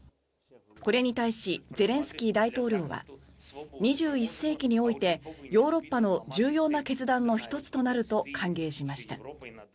これに対しゼレンスキー大統領は２１世紀においてヨーロッパの重要な決断の１つとなると歓迎しました。